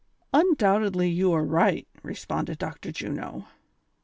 " Undoubtedly you are riglit," responded Dr. Juno.